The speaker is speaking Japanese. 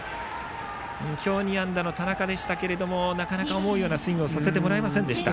今日２安打の田中でしたがなかなか思うようなスイングをさせてもらえませんでした。